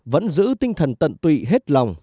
vẫn giữ tinh thần tận tụy hết lòng